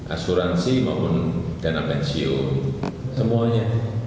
asuransi maupun dana pensiun semuanya